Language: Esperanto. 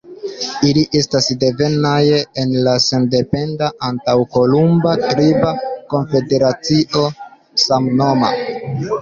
Ili estas devenaj el la sendependa antaŭkolumba triba konfederacio samnoma.